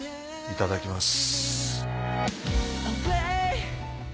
いただきます。